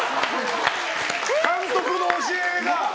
監督の教えが。